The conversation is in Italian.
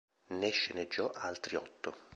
Ne sceneggiò altri otto.